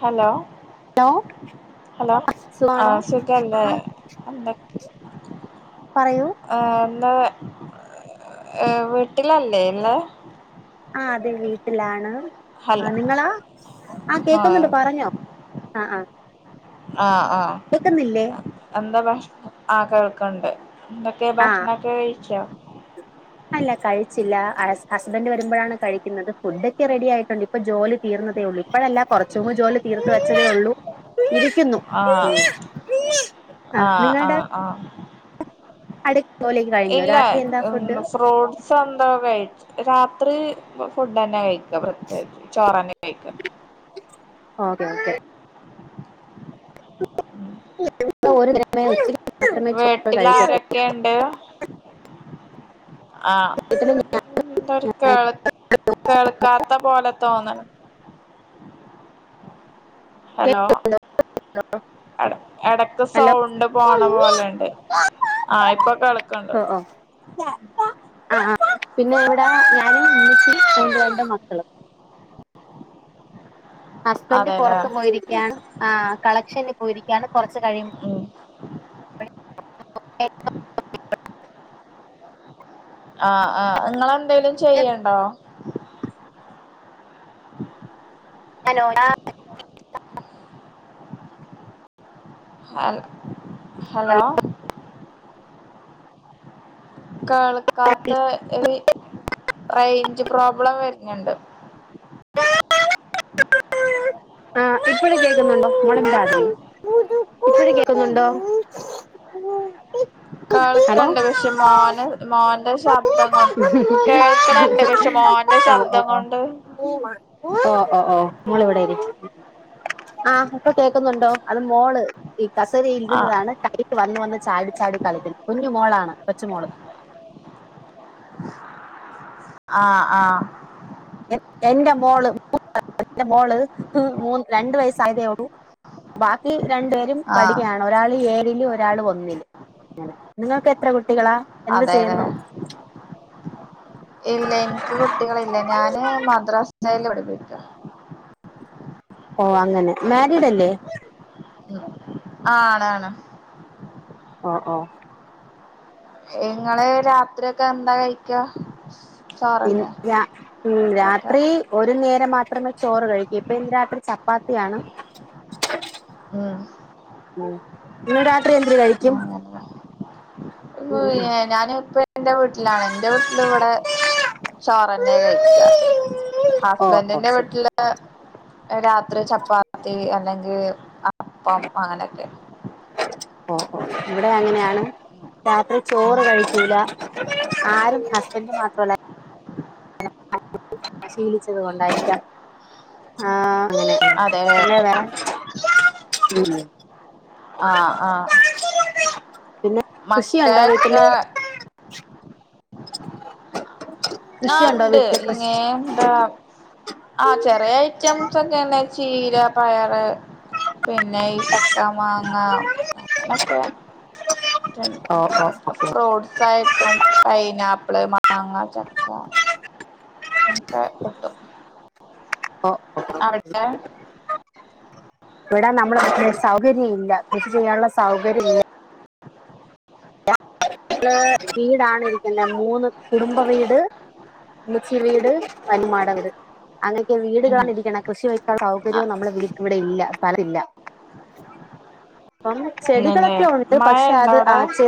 Hello hello ആ സുഖാണോ സ്വിഗ്ഗ അല്ലേ ആ എന്ത പറയൂ ആഏ എന്നാ ഏ വീട്ടിലല്ലേ ഇല്ലേ ആ അതെ വീട്ടിലാണ് ഹലോ ആ നിങ്ങളാ ആ ആഹ് കേക്കുന്നുണ്ട് പറഞ്ഞോ ആഹ ആഹ ആഹ ആഹ എന്താ ഭക്ഷ ആ കേൾക്കണ്ട് എന്തൊക്കെ ആ ഭക്ഷണോക്കെ കഴിച്ചോ അല്ല കഴിച്ചില്ല ഹസ്ബൻഡ് വരുമ്പഴാണ് കഴിക്കുന്നത് ഫുഡൊക്കെ റെഡി ആയിട്ടുണ്ട് ഇപ്പോൾ ജോലി തീർന്നതേ ഉള്ളൂ ഇപ്പഴല്ല കൊറച്ച് മുമ്പ് ജോലി തീർത്ത് വെച്ചതേ ഉള്ളൂ ഇത് തിന്നു ആഹ് ആ ആഹ് നിങ്ങടെ ആഹ് ആഹ് കഴിഞ്ഞോ ഇല്ല രാത്രി എന്താ ഫുഡ് ഫ്രൂട്ട്സ് എന്തോ കഴിച്ച് രാത്രി ഫുഡ് തന്നെ കഴിക്കുക പ്രത്യേകിച്ച് ചോറന്നെ കഴിക്ക ഓക്കേ ഓക്കേ ഈ ഒരു നേരം ഒത്തിരി വീട്ടിൽ ആരൊക്കെ ണ്ട് ആ എന്തരു കേൾ കേൾക്കാത്ത് അത്ത പോലെ തോന്നണ് ഹലോ ഹലോ എട എടക്ക് സൗണ്ട് പോണ പോലെണ്ട് ആ ഇപ്പൊ കളിക്കണ്ട് ടാറ്റാ ടാറ്റാ ആ പിന്നെ ഇവിടെ ഞാന് ഉമ്മിച്ചും കൊണ്ടുവന്റെ മക്കളും ഹസ്ബന്റ് അതെല്ലേ പുറത്ത് പോയിരിക്കയാണ് ആ കളക്ഷന് പോയിരിക്കയാണ് കൊറച്ച് കഴിയും [inaudible] ഉം ആ ആ നിങ്ങളെന്തേലും ചെയ്യണ്ടോ [inaudible] ഞാനോ ഞാൻ ഹൽ ഹലോ കേൾക്കാത്ത ഈ റെയിൻ ഞ്ച് പ്രോബ്ലം വരുന്നുണ്ട് [inaudible] ആ ഇപ്പഴ് കേക്കുന്നുണ്ടോ മൂ [inaudible] ഇപ്പഴും കേക്കുന്നുണ്ടോ [inaudible] കേൾക്കണ്ട് പക്ഷേ മോന് മോൻ എന്റെ ശബ്ദം കൊണ്ട് കേൾക്കണണ്ട് പക്ഷേ മോന്റെ ശബ്ദം കൊണ്ട് പോവാൻ ഓ ഓ ഓ മോളിവിടെ ആ ഇപ്പോ കേക്കുന്നുണ്ടോ അത് മോള് ഈ കസേര ആഹ് ഇരുത്തുന്നതാണ് കൈയ്ക്ക് വന്ന് വന്ന് ചാടി ചാടി കളിക്കുന്നെ കുഞ്ഞ് മോളാണ് കൊച്ചുമോള് [inaudible] ആ ആ എ എന്റെ മോള് ഉം എന്റെ മോള് ഹ് രണ്ട് വയസ്സായതേ ഉളളൂ ബാക്കി രണ്ടു പേരും ആഹ് പഠിക്കുകയാണ് ഒരാള് ഏഴില് ഒരാള് ഒന്നില് അങ്ങനെ നിങ്ങക്ക് എത്ര കു കുട്ടികളാ എന്ത് ചെയ്യുന്നു അതേലേ ഇല്ല എനിക്ക് കുട്ടികളില്ല ഞാന് മദ്രസേല് പഠിപ്പിക്കുക ഓ അങ്ങനെ മാരീഡ് അല്ലേ ആ ആണ് ആണ് ആ ആ എങ്ങള് രാത്രി ഒക്കെ എന്താ കഴിക്ക തിന്നില്ല ഉം രാത്രി ഒരു നേരം മാത്രമേ ചോറ് കഴിക്കൂ ഇപ്പൊ ഇന്ന് രാത്രി ചപ്പാത്തി ത്തിയാണ് ഉം ഉം ഇന്ന് രാത്രി എന്തര് കഴി ക്കും ഓയ് ഞാന് ഇപ്പ എന്റെ വീട്ടിലാണ് എൻ്റെ വീ ളിവിടെ ഇവിടെ ചോറന്നെ കഴിക്കുക ഓ ഓ ഹസ്ബൻഡിന്റെ ശരി വീട്ടില് രാത്രി ചപ്പാത്തി അല്ലെങ്കിൽ അപ്പം അങ്ങന െനാക്കെ ഓ ഇവിടെ അങ്ങനെയാണ് രാത്രി ചോറ് കഴിക്കല ആരും ഹസ്ബൻഡും മാത്രല്ല ക്ഷീലിച്ചത് കൊണ്ടായിരിക്ക ആ അങ്ങനെ അതെല്ലേ പിന്നെ വ ആ ആ പിന്നെ കൃഷിയുണ്ടോ വീട്ടില് മക്കേക്കെ ആ കൃഷിയുണ്ടോ ഉണ്ട് വീട്ടില് ഇങ്ങ കൃഷി എന്താ ആഹ ചെറിയ ഐറ്റംസ് ഒക്കെ ചീര പയറ് പിന്നെ ഈ ച കാ മാങ്ങ ച്ചെ ഓ ഓ ഓക്കെ ഫ്രൂട്ട്സ് ആയിട്ടും പൈനാപ്പി പ്പിള്, മാങ്ങ, ചക്ക ഒക്കെ കിട്ടും ഓ അവിടെ [inaudible] ഇവിടനമ്മുടെറ്റ സൗകര്യ ഇല്ല കൃഷി ചെയ്യാനുള്ള സൗകര്യം വീടാണിരിക്കല്ലേ മൂന്ന് കുടുംബ വീട് ഉമ്മച്ചി വീട് വലി മാട വീട് അങ്ങനൊക്കെ വീടുകളാണ് അങ്ങനെ ഉം വീടാണിരിക്കണ കൃഷി വെക്കാൻ ആഹ് സൗകര്യവും നമ്മുടെ വീട്ട ഇവിടെ ഇല്ല സ്ഥലമില്ല അപ്പം ഇന്നല്ലേ ചെടികളൊക്കെ ഉണ്ട് മഴ പക്ഷെ ഇണ്ടോ അത് ആ അവിടെ ചെ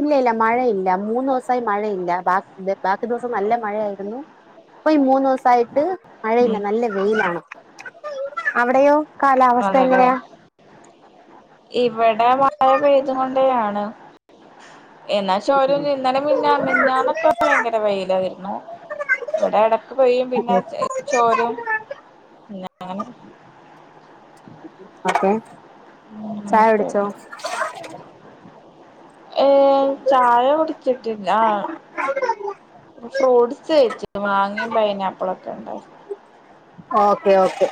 ഇല്ല ഇല്ല മഴയില്ല മൂന്ന് ദിവസായി മഴയില്ല ബാക്കി ദിവസം നല്ല മഴയായിരുന്നു പയി മൂന്ന് ദിവസം ആയിട്ട് ഉം മഴയില്ല നല്ല വെയിലാണ് അവിടെയോ കാലാവസ്ഥ അതെല്ലേ എങ്ങനെയാ ഇവിടെ മഴ പെയ്ത കൊണ്ടയാണ് എന്നാച്ച ചോരു ഇന്നലെ മിന്നാ മിന്നന്നൊക്കെ ഭയങ്കര വെയിലായിരുന്നു ഇവിടെ ഇടക്ക് പെയ്യും പിന്നെ ചോരും അപ്പെ [inaudible] ഉഅനത്തയട്ട് [inaudible] ഏ ചായ കുടിച്ചിട്ട് ല്ലാ ഫ്രൂട്ട്സ് കഴിച്ചു മാങ്ങയും പൈനാപ്പിള ഒക്കെ ഇണ്ട ഓക്കെ ഓക്കെ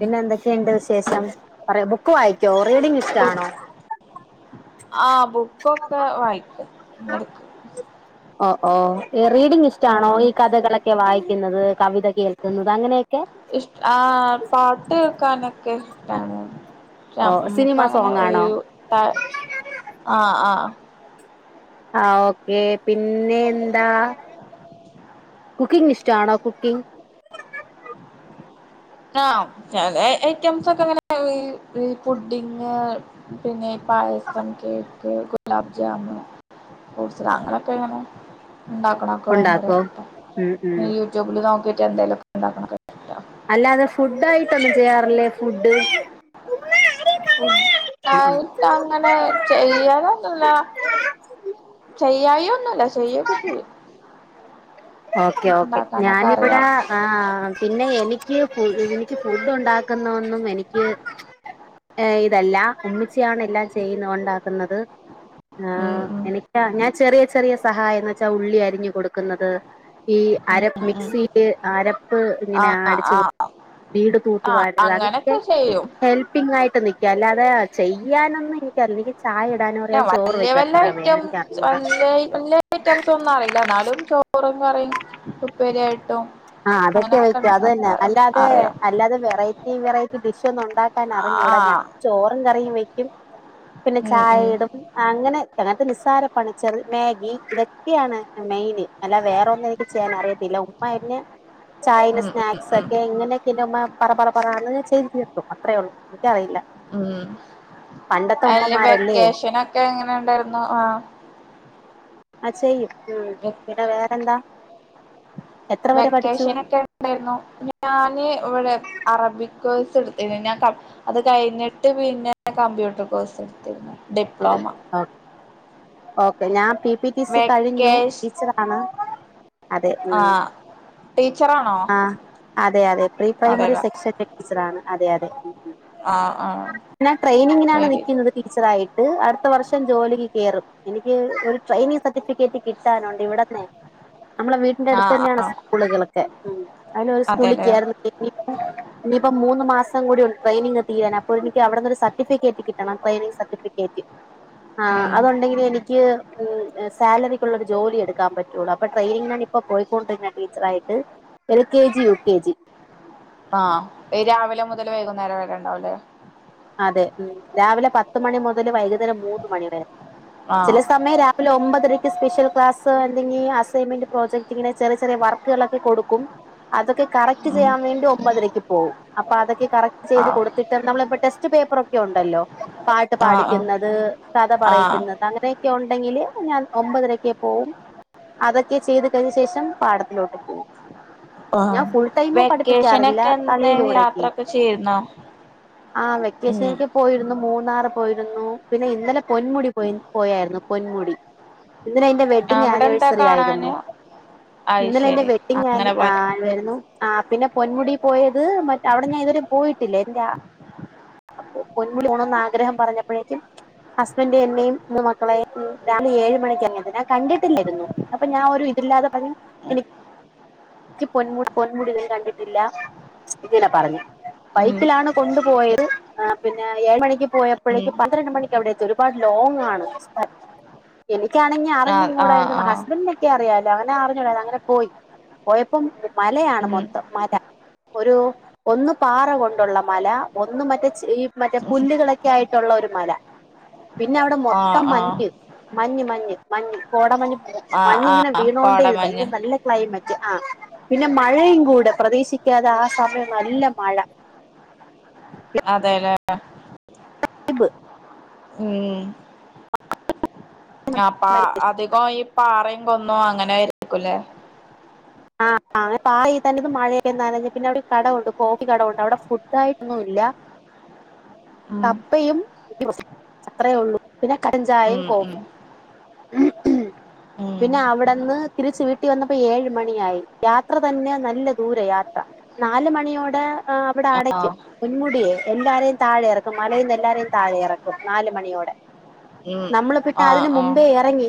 പിന്നെ എന്തൊക്കെയുണ്ട് വിശേഷം പറയ ബുക്ക് വായിക്കോ റീഡിങ് ഇഷ്ടാണോ ആ ബു ക്കൊക്കെ വായിക്കും എടക ഒ ഓ റീഡിങ് ഇഷ്ട്ടാണോ ആഹ് ഈകഥകളൊക്കെ വായിക്കുന്നത്. കവിത കേൾക്കുന്നത് അങ്ങനെയൊക്കെ ആ പാട്ട് കേൾക്കാനൊക്കെ ഇഷ്ടാണ് ഓ നമുക്ക് സിനിമ അങ്ങനെ സോങ് ആണോ ഒഴിവ്ആ ആ ആ ഓക്കേ പിന്നെ എന്താ കുക്കിംഗ്ഇഷ്ടാണോ കുക്കിംഗ ആ ചെല ഐറ്റംസ് ഒക്കെ അങ്ങനെ ഫുഡഡിങ് പിന്നെ പായസം, കേക്ക്, ഗുലാബ് ജാം ഫ്രൂട്ടസാങ്ങനൊക്കെ ഇങ്ങനെ ഉണ്ടാക്കണൊക്കെ ഭയങ്കര ഉണ്ടാക്കോ ഇഷ്ടം ഉം ഇ ഉം യൂട്യൂബിൽ നോക്കിയിട്ട് എന്തെലക്കെ ഉണ്ടാക്ക ണതൊക്കെഇഷ്ട അല്ലാതെ ഫുഡ ആയിട്ടൊന്നും ചെയ്യാറില്ലേ ഫുഡ് ഫുഡ് ഉം ഉം ആയിട്ട് അങ്ങനെ ചെയ്യലൊന്നില്ല ചെയ്യായി ഒന്നുംല്ല ചെയ്യൊക്കെ ചെയ്യും ഓക്കെ ഓക്കെ ഉണ്ടാക്കാനൊക്കെ ഞാനിവിടെ അറിയാം ആ പി പിന്നെ എനിക്ക് എനിക്ക് ഫുഡ് ഉണ്ടാക്കുന്ന ഒന്നും എനിക്ക് ഏഇതല്ല ഉമ്മിച്ചാണ് എല്ലാം ചെയ്യുന്ന ഉണ്ടാക്കുന്നത് ആ് ഉം ഉം എനക്ക് ഞാൻ ചെറിയ ചെറിയ സഹായംന്ന് വെച്ചാ ഉള്ളി അരിഞ്ഞു കൊടുക്കും ഈ അര് ഉം ഉം മിക്സിയില് അരപ്പ് ഇങ്ങനെ ആഹ് അടച്ച് ആഹ് വീട് ആഹ് തൂത്തുവാരത് അങ്ങനെയൊക്കെ അങ്ങനൊക്കെ ചെയ്യും ഹെൽപിങ് ആയിട്ട് നിക്കുക അല്ലാതെ ചെയ്യാനൊന്നും എനിക്കറില്ല ചായ ഇടാനും അറിയാം ചോറ് വല്ല വല്ല വെക്കാനും അറിയാം വേറെ എനിക്ക് അറിഞ്ഞൂടാ ഐറ്റംല്ലല്ല ഐറ്റംസ് ഒന്നും അറിയില്ല എന്നാലും ചോറും, കറിയും ഉപ്പേരിയായിട്ട് ആഹ അതൊക്കെ വയ്ക്കും അത് തന്നെ അല്ലാതെ അറിയാം അല്ലാതെ വെറൈറ്റി വെറൈറ്റി ഡിഷ് ൊന്ന ഉണ്ടാക്കാൻ അറിഞ്ഞൂടാ ഞാൻ ആഹ് ചോറും കറിയും വെക്കും പിന്നെ ഉം ചായ ഉം ഇടും അങ്ങനെ അങ്ങനത്തെ നിസ്സാര പണിച്ചത് മാഗി ഇതൊക്കെയാണ് മെയിന് അല്ല വേറെ ഒന്നും എനിക്ക് ചെയ്യാൻ അറിയത്തില്ല ഉ്മാായിെ ചൈനസ് ഉം ഉം സ്നാക്സ് ഒക്കെ ഉം എങ്ങനെയൊക്കെ പറ പറ പറ ചെയ്ഞ്ീർത്തും അത്രേയള്ളൂ ഉ പണ്ടത്തെ അതില് ഉമ്മമാരല്ലേ വെക്കേഷനൊക്കെ എങ്ങനെ ഉണ്ടായിരുന്നു ആഹ അ ചെയ്യും ഉം പിന്നെ വേറെന്താ എത്ര വരെ പഠിച്ചു വെക്കേഷൻ ഒക്കെ ഉണ്ടായിരുന്നു ഞാന് ഇവിടെ അറബിക്ഴസ് എടുത്തിരുന്നു ഞാൻ അത് കഴിഞ്ഞിട്ട് പിന്നെ കമ്പ്യൂട്ടർ കോഴ്സ് എടുത്തിരുന്നു ഡിപ്ലോമ ഓ ഓക്കെ ഞാ പി പി ടി സി കഴിഞ്ഞു വെക്കേഷ് ടീച്ചറ ആാണ് അതെ ഉ ആ ടീച്ചറാണോ ആ അതെ അതെ പ്രീ പ്രൈമറി സെക്ഷൻ ടീച്ചറണ് അതെ അതെ ആ് ആഹ ഞാൻ ട്രെയിനിങ്ങിനാണ് നൽക്കുന്നത് ടീച്ചറ ആായിട്ട് അടുത്ത വർഷം ജോലിക്ക് കയറും എനിക്ക് ഒരു ട്രെയിനിങ് സർട്ടിഫിക്കറ്റ് കിട്ടാനുണ്ട് ഇവിടെന്നെ നമ്മളെ വീട്ടിന്റെ ആ അടുത്ത് ആ തന്നെയാണ് സ്കൂളുകളൾൊക്കെ അന ഒരു സ്കൂളിൽ ക അതെല്ലേ ഇപ്പ മൂന്ന് മാസം കൂടിണ്ട് ട്രെയിനിങ് തീരാൻ അപ്പോ എനിക്ക് അവിടുന്ന് ഒരു സർട്ടിഫിക്കറ്റ് കിട്ടണം ട്രെനി സർട്ടിഫിക്കറ്റ് ആഹ ഉം അതുൊണ്ടെങ്കിൽ എനിക്ക് സാലറിക്കുള്ള ഒരു ജോലി എടുക്കാ പറ്റുള്ളൂ അപ്പൊ ട്രെനിങ് ഇപ്പോൊ പോയിൊണ്ടിരുന്ന ടീച്ചറായിട്ട് എൽ കെ ജി ഉ കെജി ആഹ ഈ രാവിലെ മുതൽ വൈകുന്നേരം വരെണ്ടാവല്ലേ അതെ ഉ രാവിലെ പത്ത മണി മുതൽ വൈകുന്നേരം മൂന്ന് മണിവ വരെ ആ ചില സമയം രാവിലെ ഒമ്പതര സ്പെഷ്യൽ ക്ലാസ് എന്തെങ്ക അസൈൻമെന്റ് പ്രോജക്ട് ഇങ്ങനെ ചെറ ചെറിയ വർക്കുകളൊക്കെ കൊക്കും അതൊക്കെ കറക്റ്റ് ഉം ചെയ്യാൻ വേണ്ടി ഒമ്പരക്ക് പോവുംും അപ്പൊ അതൊെ കറക്റ്റ് ആ ചെയ്ത് കൊടുത്തിട്ട നമ്മള പേപ്പർൊക്കെ ഉണ്ടല്ലോ പാട്ട് ആ ആ പാടിക്കുന്നത് കഥ ആ പറക്കുന്നത് ആ അങ്ങനെയൊക്കെ ചടെങ്കിലേ ഞാൻ ഒമ്പതരക്കെ പോവും അതൊക്കെ ചെയ്ത് കഴിഞ്ഞ ശേഷം പാടത്തിലോട്ട് പോയി ഞാൻ ഫുൾ ടൈമ പഠിപ്പിക്കാറില്ല വെക്കേഷനൊക്കെ എന്താ കളിയിലൂടെക്ക് യാത്രൊക്കെ ചെയ്തിരുന്നോ ആ ഉം വെക്കേഷനൊക്കെ പോയിരുന്നു മൂന്നാറ് പോയിരുന്നു പിന്നെ ഇന്നലെ പൊന്മുടി പോയി പോയായിരുന്നു പൊന്മുടി ഇന് അയിന്റെ വെഡ്ഡിങ്് അവിടെ എന്താ ആനിവേഴ്സറി ആയിരുന്നു കാണാന് അയ് ഇന്നലെ എന്റെ ശരി വെഡി ആ അങ്ങനെ ആ പോയത് ആരുന്നു ആ പിന്നെ പൊന്മുടി പോയത് മറ്റ അവിടെ ഞാൻ ഇതുവരും പോയിട്ടില്ല എന്റെ അപ്പൊ പൊന്മുളിണന്ന് ആഗ്രഹം പറഞ്ഞപ്പോഴേക്കും ഹസ്ബന്ഡ എന്നെയും മൂ മക്കളെയും രാവിലെ ഏഴ് മണിക്ക്റങ്ങിയത്ത് ഞാൻ കണ്ടിട്ടില്ലായിരുന്നു അപ്പൊ ഞാൻ ഒരു ല്ലാതെ പറ എനി ഉ എനിക്ക് പൊമ പൊന്മുടികൾ കണ്ടിട്ടില്ല ഇനാ പറഞ്ഞു ഉം ബൈക്കിലാണ് കൊണ്ടുപോയത് പിന്നെ ഏഴ് മണിക്ക് ഉം പോയപ്പോഴേക്ക് പന്ത്രണ്ട് മണിക്ക് അവിടെ എത്ത ഒരുപാട് ലോങ് ആണ് എനിക്കാണെങ്ക അറിഞ്ഞും ആഹ് ആഹ് കൂടെന്ന് ആഹ് ഹസ്ബൻഡറിിന ഒക്കെ അറിയാലോ അങ്ങനെ അറിഞ്ഞൂടന്ന് അങ്ങനെ പോയി പോയപ്പം മലയാണ് ഉം മൊത്തം മല ഒരു ഒന്ന പാറ കൊണ്ടുള്ള മല ഒന്ന് മറ്റേ ഈ മറ്റേ പുല്ലുകളൊക്കെ ആയിട്ടുള്ള ഒരു മല പിന്നെ അവിടെ ആഹ് മൊത്തം ആഹ് മഞ്ഞ് മഞ്ഞ് മഞ്ഞ് മഞ്ഞ് കോടമഞ്ഞ് ആഹ് മഞ്ഞ ഇങ്ങനെ ആഹ് വീണോണ്ടേ ഭയങ്കര കോടമഞ്ഞ് നല്ല ക്ലൈമറ്റ് ആ പിന്നെ മഴയും കൂടെ പ്രതീക്ഷികാതെ ആ സമയം നല്ല മഴ. അതെല്ലേ [unintelligible] ഉമ് ആപ്പാ അധികം ഈ പാറയും കൊന്നും അങ്ങനെ ആയിരിക്കു ല്ലേ ആഹ് [unintelligible] പിന്നെ അവിടെ കടണ്ട് കോഫി കടണ്ട് അവിടെ ഫുഡായിട്ടൊന്നും ഇല്ല ഉം കപ്പയും [unintelligible] അത്രേ ഉള്ളൂ പിന്നെ കടചായയും ഉം ഉം കോഫി ഉം പിന്നെ അവിടെന്ന് തിരിച്ച് വീട്ടി വന്നപ്പോ ഏഴ് മണിയായി യാത്ര തന്നെ നല്ല ദൂര യാത്ര. നാൽ മണിയോടെ അവിടെ ആഹ് അടക്കും പുന്മുടിയേ എല്ലാരെയും താഴെ ഇറക്കും മലയെന്ന് എല്ലാരെയും താഴെ ഇറക്കും നാൽ മണിയോടെ ഉം നമ്മള് പിന്നെ ആഹ് അതിന് മു ആഹ്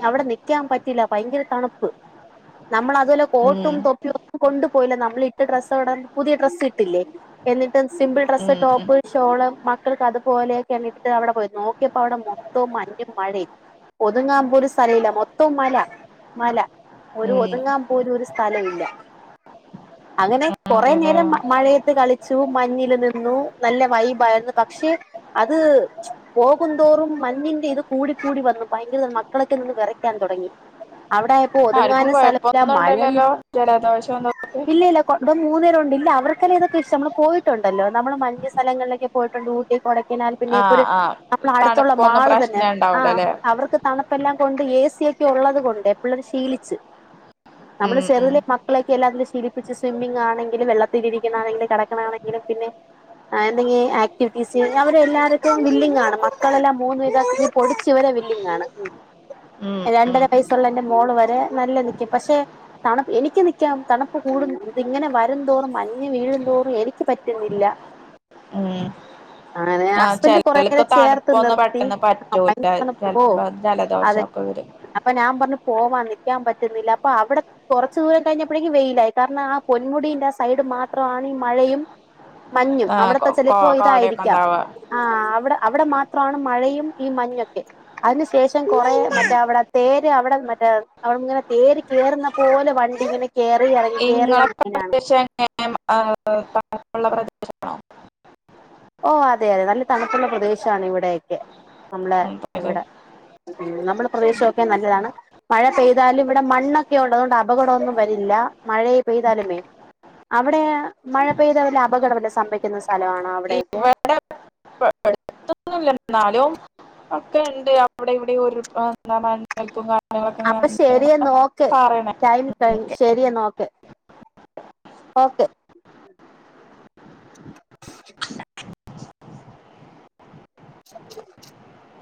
അവിടെ നിക്കാൻ പറ്റില്ല ഭയങ്കര തണുപ്പ് നമ്മളതുവല്ല ഉം കോട്ടും തൊപ്പി കൊണ്ടു പോയില്ല നമ്മൾ ഇട്ട് ഡ്രസ്സ് അവുടെ പുതിയ ഡ്രസ്സ് ഇട്ടില്ലേ എന്നിട്ട് സിമ്പിൾ ഡ്രസ്സ് ഉം ഉം ടോപ്പ്, ഷാ മക്കൾക്ക് അതുപോലെയൊക്കെ ട്ട് അവിടെ പോയി നോക്കിയപ്പോ അവിടെ മൊത്തവും മഞ്ഞും മഴയും ഒതുങ്ങാൻ പോലും സ്ഥല ല്ല മൊത്തം മല മല ഒരു ഉം ഒതുങ്ങാൻ പോലും ഒരു സ്ഥല ഇല്ല അങ്ങനെ കുറേ അതെല്ലേ നേരം മഴയത്ത് കളിച്ചു മഞ്ഞിൽ നിന്നു നല്ല വൈബായിരുന്നു പക്ഷെ അത് പോകും തോറും മഞ്ഞിന്റെ ഇത് കൂടി കൂടി വന്നു ഭയങ്കര മക്കളൊക്കെ നിന്ന് വിറയ്ക്കാൻ തുടങ്ങി അവിടെ ആയപ്പോ ആർക്കും ഒതുങ്ങാനും സ്ഥലല്ല കൊഴപ്പൊന്നും മഴ നി ഉണ്ടാവില്ലല്ലോ ജലദോഷം എന്തൊക്കെ ഇല്ല ഇല്ല കൊണ്ട മൂന്നേര ഉണ്ട് ഇല്ല അവർക്കല്ലെ ഇതകെ ഇഷ്ടം നമ്മൾ പോയിട്ടുണ്ടല്ലോ നമ്മള് മഞ്ഞ സ്ഥലങ്ങളിലൊക്കെ പോയിട്ടുണ്ട് ഊട്ടി കൊടക്കിനാൽ പിന്നെ ഇപ്പൊ ആഹ് ഒരു ആഹ് നമ്മള അടുത്തുള്ള തണുപ്പൊന്നും മാള് തന്നെ പ്രശ്നം ആഹ് ഉണ്ടാവൂലല്ലേ അവർക്ക് തണുപ്പെല്ലാം കൊണ്ട് ഏ സി യക്കെ ഉള്ളത് കൊണ്ട് എപ്പൾ ശീലിച്ച് നമ്മള് ഉം ഉം ചെറുതിലെ മക്കളെ എല്ലാത്തിലും ശീലിപ്പിച് സ്വിമ്മിംഗ് ആണെങ്കിലും വെള്ളത്തിൽ ഇരിക്കണാണെങ്കിലും കിടക്ക്ണാണെങ്കിലും പിന്നെ ആഹ് എന്തെ ആക്ടിവിറ്റീസ് അവരെല്ലാർക്കും വില്ലി ആണ് മക്കളെല്ലാം മൂന്നല്ല പൊടിച്ചിവരെ വി വില്ലിങ്ങാണ് ഉമ് ഉം രണ്ടര ഉം വയസുള്ള എന്റെ മോള് വരെ നല്ല നിക്കും പക്ഷെ തണുപ്പ് എനിക്ക് നിക്കാം തണുപ്പ് കൂ ഇത് ഇങ്ങനെ വരും തോറും മഞ്ഞ് വീഴും തോറും എനിക്ക് പറ്റുന്നില്ല ഉമ് ആഹ് ഹസ്ബൻന്റ് കൊറേ നേരം ചേർത്ത് നിർത്തി പെട്ടെന്ന് അപ പറ്റൂല ഓ ചെലപ്പോ അതെ ജലദോഷൊക്കെ വരും അപ്പ ഞാൻ പറഞ്ഞ പോ നിക്കാൻ പറ്റുന്നില്ല അപ്പൊ അവിടെ കുറച്ച് ദൂരം കഴിഞ്ഞപ്പോഴേങ്കും വെയിലായി കാരണം ആ പൊന്മുടിന്റെ ആ സൈഡ് മാ ത്രാണ് ഈ മഴയും മഞ്ഞും ആ അവിടത്തെ കോ ചെലപ്പോ കോടയൊക്കെ ഇതായിരിക്കാം ഉണ്ടാവ ആഹ് അവടെ അവടെ മാത്ര ആ മഴയും ഈ മഞ്ഞൊക്കെ അതിനു ശേഷം കൊറേ ഉം മറ്റേ അവിടെ തേര് അവിടെ മറ്റേ അവിടെ ഇങ്ങനെ തേര് കേറുന്നത് പോലെ വണ്ടി ഇങ്ങനെ കേറി എറങ്ങി കേറി എറങ്ങി ഇങ്ങനെയാണ് [unintelligible] [unintelligible] ഓ അതെ അതെ നല്ല തണുപ്പുള്ള പ്രദേഷാണ് ഇവിടെക്കെ നമ്മളെ ഉം അതെ. ഇവിടെ ഉമ് നമ്മടെ പ്രദേശക്കെ നല്ലതാണ് മഴ പെയ്താലും ഇവിടെ മണ്ണൊക്കെ ഉള്ളത് കൊണ്ട് അപകടന്നും വരില്ല മയെ പെയ്താലുമേ അവിടെ മഴ പെയ്ത വല്ല അപകടം വല്ലോം സംഭവിക്കുന്ന സലാണോ അവടെ ഹേ ഇവിടെ [unintelligible] എന്നാലും ഒക്കെ ഇണ്ട് അവിടെ ഇവിടെ [unintelligible] അപ്പൊ ഇങ്ങനെ ശരിയെന്ന ഓകെ ടൈം ടൈം പറയണേക്ക ശരിയെന്ന ഓക്കേ ഓക്കെ [inaudible] [inaudible]